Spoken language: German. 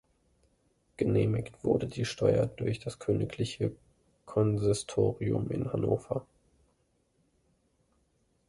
Genehmigt wurde die Steuer durch das Königliche Konsistorium in Hannover.